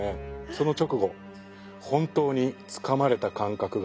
その直後本当につかまれた感覚があるんですよ。